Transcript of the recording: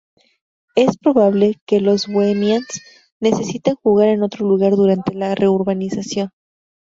Es probable que los Bohemians necesiten jugar en otro lugar durante la reurbanización.